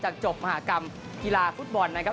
จบมหากรรมกีฬาฟุตบอลนะครับ